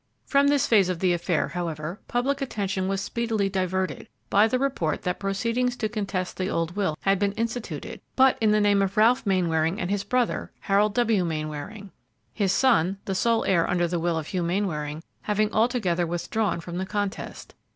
From this phase of the affair, however, public attention was speedily diverted by the report that proceedings to contest the old will had been instituted, but in the name of Ralph Mainwaring and his brother, Harold W. Mainwaring; his son, the sole heir under the will of Hugh Mainwaring, having altogether withdrawn from the contest.